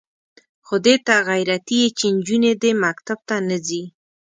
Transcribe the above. خو دې ته غیرتي یې چې نجونې دې مکتب ته نه ځي.